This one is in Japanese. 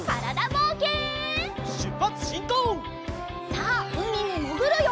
さあうみにもぐるよ！